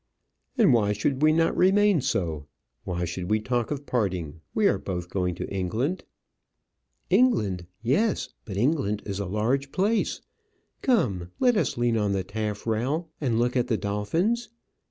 "And why should we not remain so? Why should we talk of parting? We are both going to England." "England! Yes, but England is a large place. Come, let us lean on the taffrail, and look at the dolphins.